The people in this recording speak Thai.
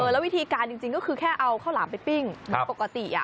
แล้ววิธีการจริงก็คือแค่เอาข้าวหลามไปปิ้งปกติ